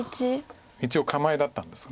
一応構えだったんです。